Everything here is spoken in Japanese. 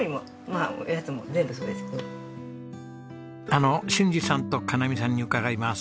あの信治さんと香奈見さんに伺います。